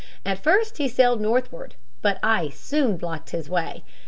At first he sailed northward, but ice soon blocked his way.